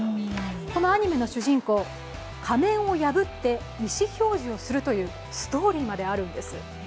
このアニメの主人公、仮面を破って意思表示をするというストーリーまであるんです。